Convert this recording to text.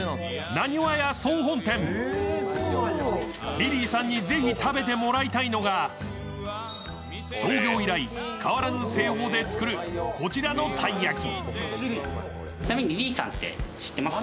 リリーさんにぜひ、食べてもらいたいのが創業以来、変わらぬ製法で作るこちらのたい焼き。